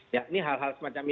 ya ini hal hal semacam ini